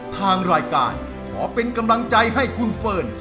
ทางรายการขอเป็นกำลังใจให้คุณเฟิร์น